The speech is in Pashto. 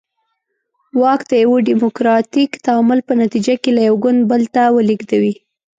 واک د یوه ډیموکراتیک تعامل په نتیجه کې له یو ګوند بل ته ولېږدوي.